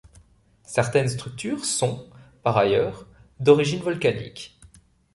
Certaines structures sont, par ailleurs, d'origine volcanique.